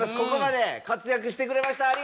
ここまで活躍してくれました